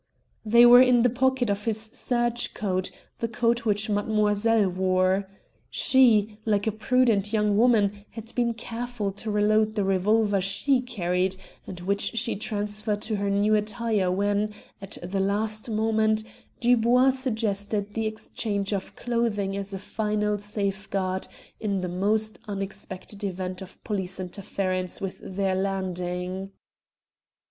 They were in the pocket of his serge coat, the coat which Mademoiselle wore. She, like a prudent young woman, had been careful to reload the revolver she carried, and which she transferred to her new attire when, at the last moment, Dubois suggested the exchange of clothing as a final safeguard in the most unexpected event of police interference with their landing.